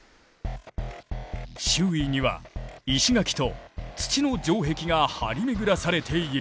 周囲には石垣と土の城壁が張り巡らされている。